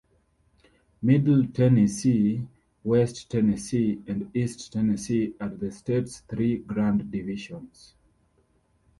Middle Tennessee, West Tennessee, and East Tennessee are the state's three Grand Divisions.